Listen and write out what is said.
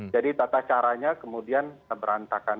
jadi tata caranya kemudian berantakan